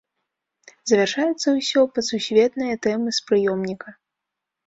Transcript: Завяршаецца ўсё пад сусветныя тэмы з прыёмніка.